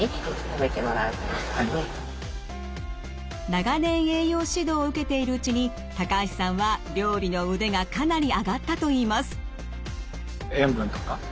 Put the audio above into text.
長年栄養指導を受けているうちに橋さんは料理の腕がかなり上がったといいます。